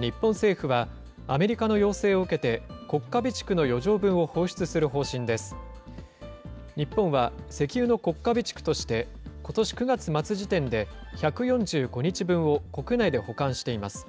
日本は石油の国家備蓄として、ことし９月末時点で１４５日分を国内で保管しています。